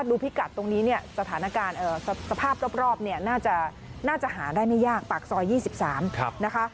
พิกัดตรงนี้เนี่ยสถานการณ์สภาพรอบเนี่ยน่าจะหาได้ไม่ยากปากซอย๒๓นะคะ